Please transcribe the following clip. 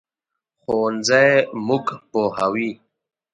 ښوونځی موږ پوهوي